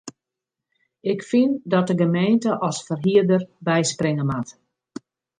Ik fyn dat de gemeente as ferhierder byspringe moat.